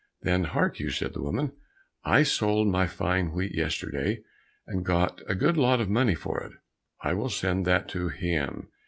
"Then hark you," said the woman, "I sold my fine wheat yesterday and got a good lot of money for it, I will send that to him.